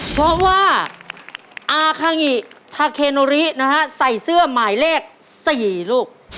เพราะว่าอาคางิทาเคโนรินะฮะใส่เสื้อหมายเลข๔ลูก